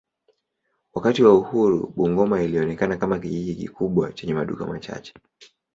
Wakati wa uhuru Bungoma ilionekana kama kijiji kikubwa chenye maduka machache.